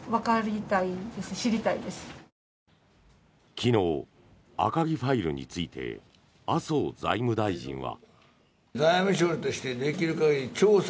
昨日、赤木ファイルについて麻生財務大臣は。